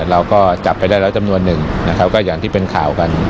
เราก็จับไปได้แล้วจำนวนหนึ่งนะครับก็อย่างที่เป็นข่าวกัน